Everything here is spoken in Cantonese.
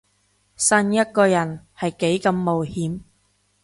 信一個人係幾咁冒險